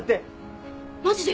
マジで？